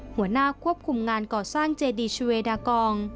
หัวหน้าควบคุมงานก่อสร้างเจดีชเวดากอง